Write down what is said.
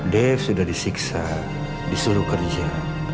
def sudah disiksa disuruh kerja